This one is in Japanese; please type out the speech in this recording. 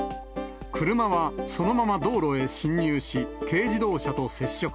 車はそのまま道路へ進入し、軽自動車と接触。